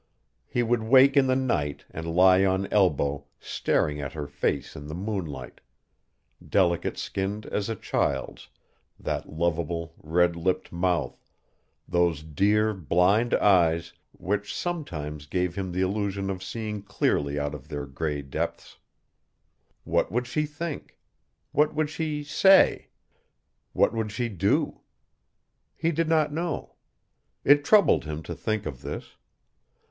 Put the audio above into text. He would wake in the night and lie on elbow staring at her face in the moonlight, delicate skinned as a child's, that lovable, red lipped mouth, those dear, blind eyes which sometimes gave him the illusion of seeing clearly out of their gray depths. What would she think? What would she, say? What would she do? He did not know. It troubled him to think of this.